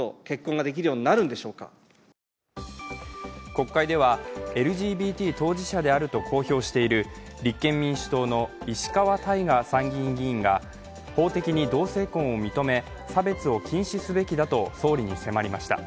国会では、ＬＧＢＴ当事者であると公表している立憲民主党の石川大我参議院議員が法的に同性婚を認め、差別を禁止すべきだと総理に迫りました。